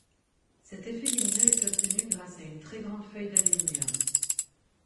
Cet effet lumineux est obtenu grâce à une très grande feuille d'aluminium.